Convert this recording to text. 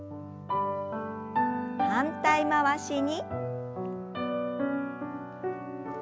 反対回しに。